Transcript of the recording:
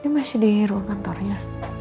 dia masih dihiru kantornya